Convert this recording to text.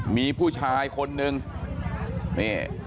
มีผู้ชายคนนึงนี่